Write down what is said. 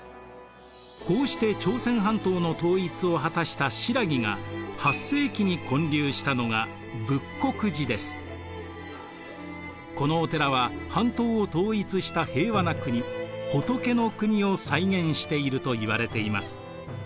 こうして朝鮮半島の統一を果たした新羅が８世紀に建立したのがこのお寺は半島を統一した平和な国仏の国を再現しているといわれています。